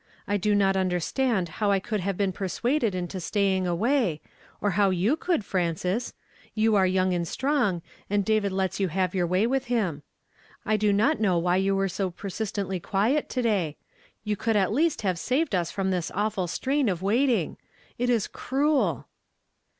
I do not under stand how I could have been persuaded into stay ing away, or how you could, Frances ; you are young and strong, and David lets you have your way with him. I do not know why you were so persistently quiet to day ; you could at least have saved us from this awful strain of waiting. It is cruel